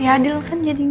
ya adil kan jadinya